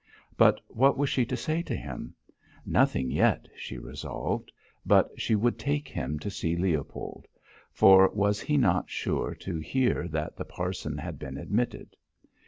But what was she to say to him? Nothing yet, she resolved; but she would take him to see Leopold for was he not sure to hear that the parson had been admitted?